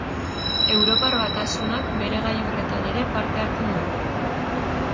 Europar Batasunak bere gailurretan ere parte hartzen du.